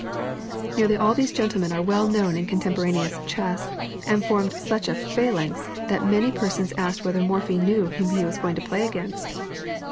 Nearly all these gentlemen are well known in contemporaneous chess, and formed such a phalanx that many persons asked whether Morphy knew whom he was going to play against.